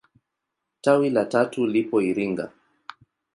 Tawi la tatu lipo Iringa.